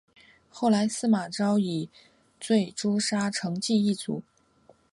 后来司马昭以罪诛杀成济一族。